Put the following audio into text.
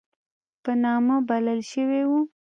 په نامه بلل شوی وو.